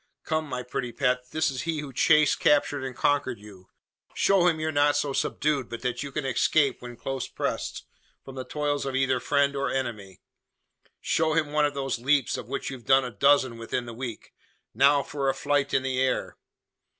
Come, my pretty pet! This is he who chased, captured, and conquered you. Show him you're not yet so subdued, but that you can escape, when close pressed, from the toils of either friend or enemy. Show him one of those leaps, of which you've done a dozen within the week. Now for a flight in the air!"